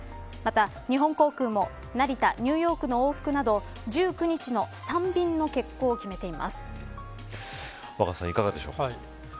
また、日本航空も成田、ニューヨークの往復など１９日の３便の欠航を若狭さん、いかがでしょう。